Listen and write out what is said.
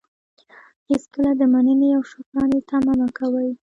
هېڅکله د منني او شکرانې طمعه مه کوئ!